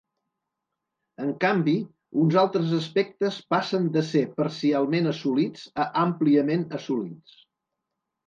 En canvi, uns altres aspectes passen de ser ‘parcialment assolits’ a ‘àmpliament assolits’.